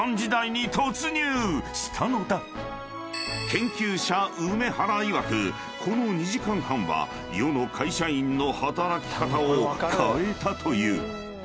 ［研究者梅原いわくこの２時間半は世の会社員の働き方を変えたという］